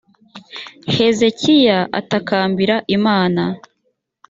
hezekiya atakambira imana